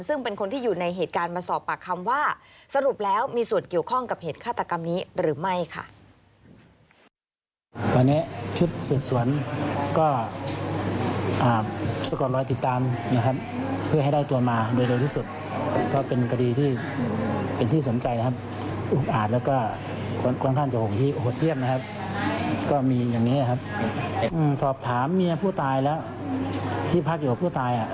ซึ่งเป็นคนที่อยู่ในเหตุการณ์มาสอบปากคำว่าสรุปแล้วมีส่วนเกี่ยวข้องกับเหตุฆาตกรรมนี้หรือไม่ค่ะ